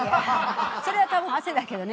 それは多分汗だけどね。